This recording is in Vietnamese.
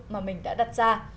mà mình đã đặt ra